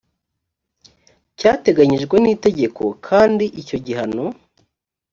cyateganyijwe n itegeko kandi icyo gihano